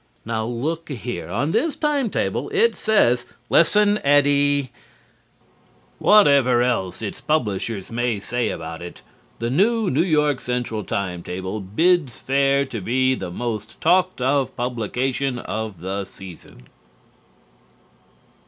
"Now looka here. On this time table it says" "Lissen, Eddie" Whatever else its publishers may say about it, the new New York Central time table bids fair to be the most talked of publication of the season.